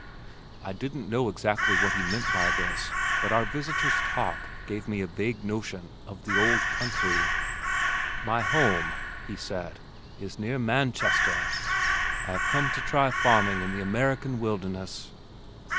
I didn't know exactly what he meant by this, but our visitor's talk gave me a vague notion of "the old country." "My home," he said, "is near Manchester. I have come to try farming in the American wilderness."